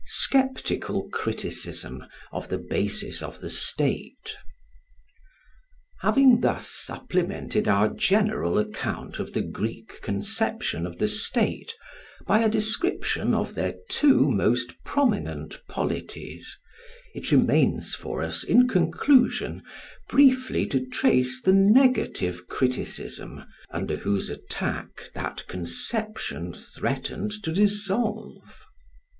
Sceptical Criticism of the Basis of the State. Having thus supplemented our general account of the Greek conception of the state by a description of their two most prominent polities, it remains for us in conclusion briefly to trace the negative criticism under whose attack that conception threatened to dissolve.